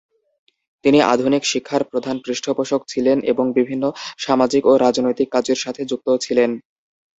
তিনি আধুনিক শিক্ষার প্রধান পৃষ্ঠপোষক ছিলেন এবং বিভিন্ন সামাজিক ও রাজনৈতিক কাজের সাথে যুক্ত ছিলেন।